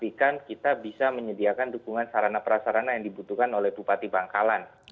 memastikan kita bisa menyediakan dukungan sarana prasarana yang dibutuhkan oleh bupati bangkalan